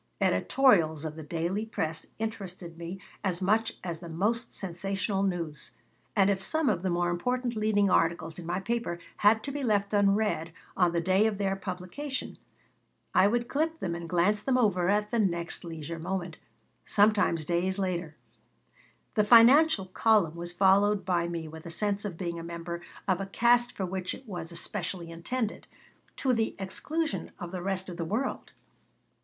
Editorials of the daily press interested me as much as the most sensational news, and if some of the more important leading articles in my paper had to be left unread on the day of their publication I would clip them and glance them over at the next leisure moment, sometimes days later The financial column was followed by me with a sense of being a member of a caste for which it was especially intended, to the exclusion of the rest of the world.